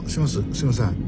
すいません。